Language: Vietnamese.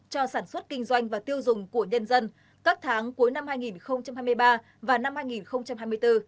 cho sản xuất kinh doanh và tiêu dùng của nhân dân các tháng cuối năm hai nghìn hai mươi ba và năm hai nghìn hai mươi bốn